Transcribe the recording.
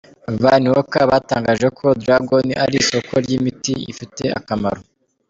Van Hoek, batangaje ko dragon ari isoko y’imiti ifite akamaro.